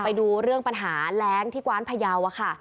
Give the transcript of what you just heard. ไปดูเรื่องปัญหาแรงที่กว้านพยาวค่ะ